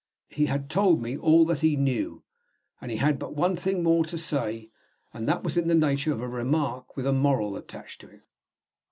He had told me all that he knew, and he had but one thing more to say, and that was in the nature of a remark with a moral attached to it.